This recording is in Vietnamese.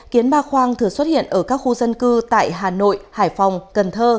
kiến ba khoang thường xuất hiện ở các khu dân cư tại hà nội hải phòng cần thơ